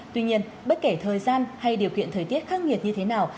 tuy nhiên bất kể thời gian hay điều kiện thời tiết khắc nghiệt như thế nào